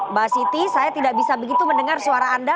mbak siti saya tidak bisa begitu mendengar suara anda